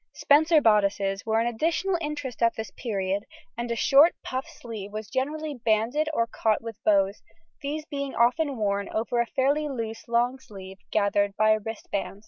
Spencer bodices were an additional interest at this period, and a short puff sleeve was generally banded or caught with bows; these being often worn over a fairly loose long sleeve gathered by a wristband.